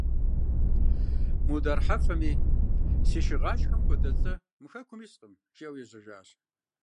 Мудар Хьэфэми: «Си шыгъашхэм хуэдэ лӀы мы хэкум искъым», – жиӀэу ежьэжащ.